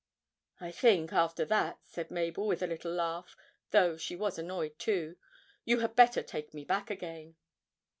'I think, after that,' said Mabel, with a little laugh, though she was annoyed too, 'you had better take me back again.'